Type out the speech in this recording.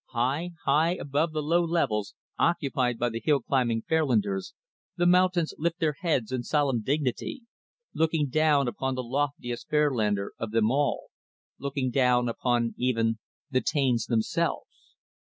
High, high, above the low levels occupied by the hill climbing Fairlanders, the mountains lift their heads in solemn dignity; looking down upon the loftiest Fairlander of them all looking down upon even the Taines themselves.